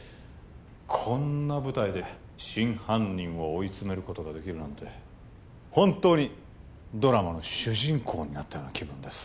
こんな舞台で真犯人を追い詰めることができるなんて本当にドラマの主人公になったような気分です